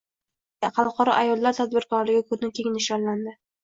Buxoroda xalqaro ayollar tadbirkorligi kuni keng nishonlandi